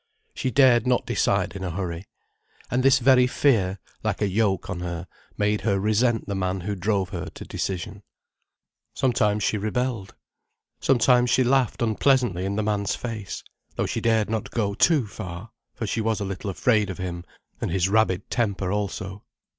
She dared not decide in a hurry. And this very fear, like a yoke on her, made her resent the man who drove her to decision. Sometimes she rebelled. Sometimes she laughed unpleasantly in the man's face: though she dared not go too far: for she was a little afraid of him and his rabid temper, also.